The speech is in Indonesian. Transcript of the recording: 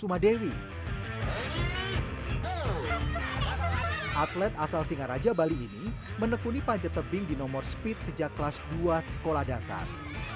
atlet asal singaraja bali ini menekuni panjat tebing di nomor speed sejak kelas dua sekolah dasar